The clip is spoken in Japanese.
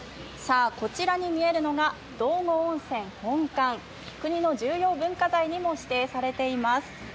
こちらに見えるのが道後温泉本館、国の重要文化財にも指定されています。